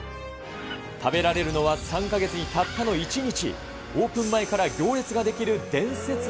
食べられるのは３か月にたったの１日。